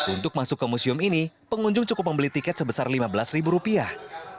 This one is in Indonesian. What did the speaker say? untuk masuk ke museum ini pengunjung cukup membeli tiket sebesar lima belas ribu rupiah